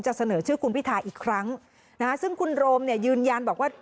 จะเสนอชื่อคุณพิทาอีกครั้งซึ่งคุณโรมยืนยันบอกว่า